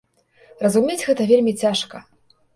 Разумець гэта вельмі цяжка.